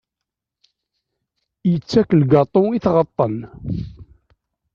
Yettak lgaṭu i tɣeṭṭen.